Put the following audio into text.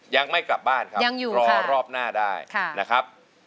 ยังไม่กลับบ้านครับยังอยู่รอรอบหน้าได้นะครับ